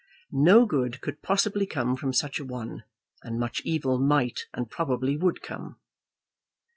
No good could possibly come from such a one, and much evil might and probably would come.